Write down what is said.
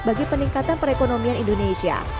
bagi peningkatan perekonomian indonesia